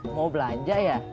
mau belanja ya